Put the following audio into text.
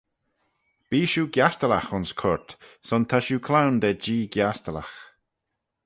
Bee shiu giastylagh ayns coyrt son ta shiu cloan da jee giastylagh.